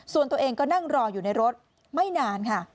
ส่วนตัวเองก็นั่งรออยู่ในรถไม่นานค่ะ